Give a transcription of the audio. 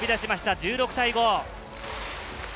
１６対５。